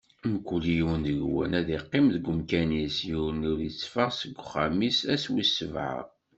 Mkul yiwen deg-wen ad iqqim deg umkan-is, yiwen ur itteffeɣ seg uxxam-is ass wis sebɛa.